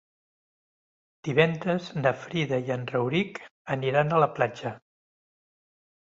Divendres na Frida i en Rauric aniran a la platja.